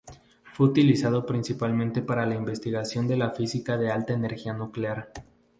Fue utilizado principalmente para la investigación de la física de alta energía nuclear.